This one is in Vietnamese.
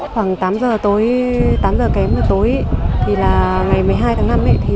khoảng tám giờ kém tới tối ngày một mươi hai tháng năm